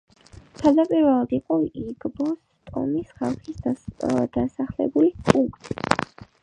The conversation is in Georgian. თავდაპირველად იყო იგბოს ტომის ხალხის დასახლებული პუნქტი.